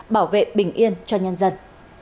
bảo vệ bình yên cho nhân dân